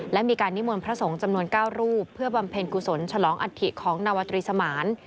และมีการนิมนต์พระสงฆ์จำนวน๙รูปเพื่อบำเพ็ญกุศลฉลองอัฐิของนาวตรีสมาน